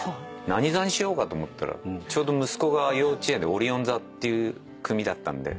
何座にしようかと思ったらちょうど息子が幼稚園でオリオン座っていう組だったんで。